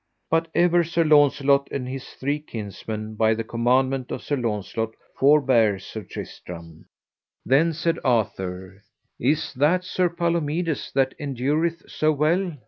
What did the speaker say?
But ever Sir Launcelot, and his three kinsmen by the commandment of Sir Launcelot, forbare Sir Tristram. Then said Sir Arthur: Is that Sir Palomides that endureth so well?